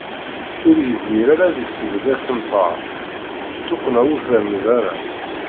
Ur yezmir ara ad isbedd asenfaṛ, tuqqna ur termid ara.